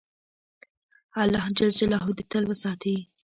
الله ج دي تل روغ ساتی